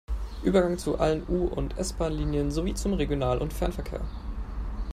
Übergang zu allen U- und S-Bahnlinien sowie zum Regional- und Fernverkehr.